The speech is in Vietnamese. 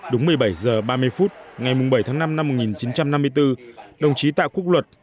đúng một mươi bảy h ba mươi phút ngày bảy tháng năm năm một nghìn chín trăm năm mươi bốn đồng chí tạ quốc luật